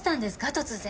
突然。